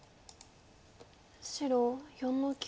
白４の九。